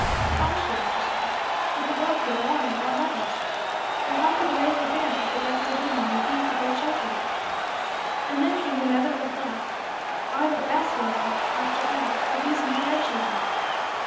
"How," she asked herself, "would the world get along without mothers? Or how could the race advance if the best of women refused to bear children?" And then came the inevitable thought: are the best women, after all, refusing to bear children?